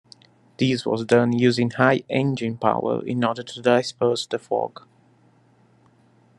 This was done using high engine power in order to disperse the fog.